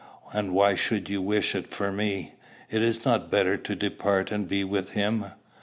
And why should you wish it for me? Is it not better to depart and be with him?